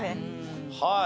はい。